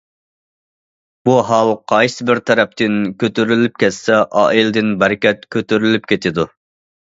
بۇ ھال قايسىبىر تەرەپتىن كۆتۈرۈلۈپ كەتسە، ئائىلىدىن بەرىكەت كۆتۈرۈلۈپ كېتىدۇ.